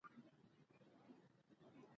پلار د ماشومانو په ښوونځي کې ګډون کوي